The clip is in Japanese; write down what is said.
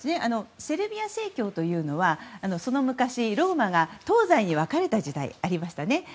セルビア正教というのはその昔、ローマが東西に分かれた時代がありましたね。